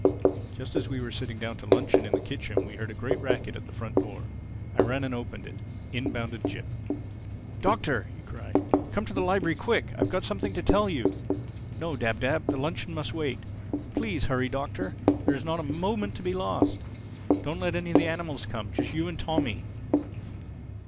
Just as we were sitting down to luncheon in the kitchen we heard a great racket at the front door. I ran and opened it. In bounded Jip. "Doctor!" he cried, "come into the library quick. I've got something to tell you—No, Dab Dab, the luncheon must wait. Please hurry, Doctor. There's not a moment to be lost. Don't let any of the animals come—just you and Tommy."